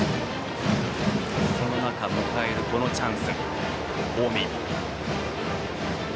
その中で迎えるチャンス、近江。